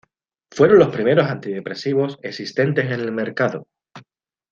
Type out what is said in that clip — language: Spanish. Fueron los primeros antidepresivos existentes en el mercado.